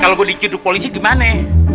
kalo gua dicuduk polisi gimane